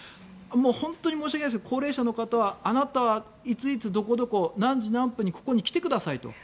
本当に申し訳ないですが高齢者の方はあなたは、いついつのどこどこ何時何分に来てくださいと。